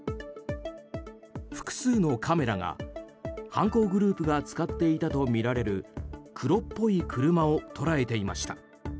複数のカメラが、犯行グループが使っていたとみられる黒っぽい車を捉えていました。